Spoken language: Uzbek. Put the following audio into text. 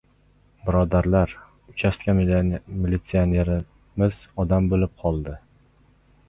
Birodarlar, uchastka militsionerimiz odam bo‘lib qoldi!